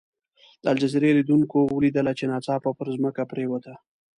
د الجزیرې لیدونکو ولیدله چې ناڅاپه پر ځمکه پرېوته.